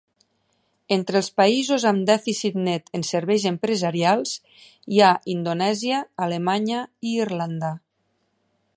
Entre els països amb dèficit net en serveis empresarials hi ha Indonèsia, Alemanya i Irlanda.